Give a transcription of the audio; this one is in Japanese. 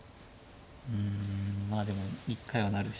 うんまあでも一回は成るしか。